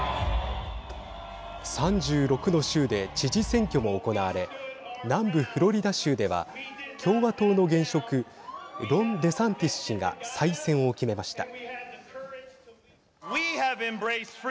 ３６の州で知事選挙も行われ南部フロリダ州では共和党の現職ロン・デサンティス氏が再選を決めました。